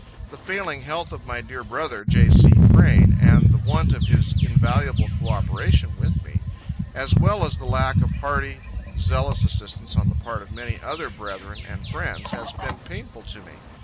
The failing health of my dear brother, J. C. Crane,[A] and the want of his invaluable co operation with me, as well as the lack of hearty, zealous assistance on the part of many other brethren and friends, has been painful to me.